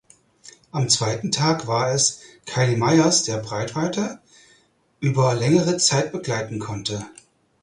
Am zweiten Tag war es Kyle Mayers der Brathwaite über längere Zeit begleiten konnte.